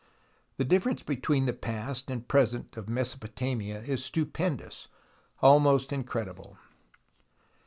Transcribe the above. The difference between the past and present of Mesopotamia is stupendous, almost incredible.